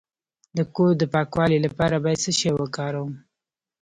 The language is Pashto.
د کور د پاکوالي لپاره باید څه شی وکاروم؟